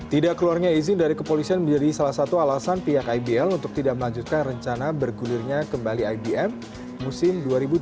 tidak keluarnya izin dari kepolisian menjadi salah satu alasan pihak ibl untuk tidak melanjutkan rencana bergulirnya kembali ibm musim dua ribu dua puluh